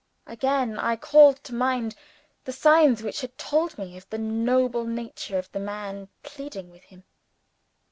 Again, I called to mind the signs which had told of the nobler nature of the man pleading with him.